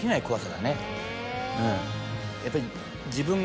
やっぱり。